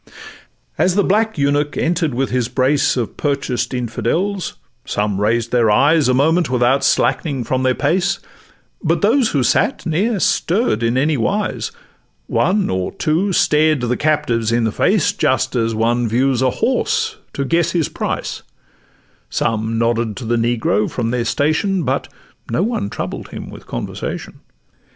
As the black eunuch enter'd with his brace Of purchased Infidels, some raised their eyes A moment without slackening from their pace; But those who sate ne'er stirr'd in anywise: One or two stared the captives in the face, Just as one views a horse to guess his price; Some nodded to the negro from their station, But no one troubled him with conversation.